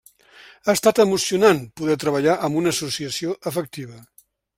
Ha estat emocionant poder treballar amb una associació efectiva.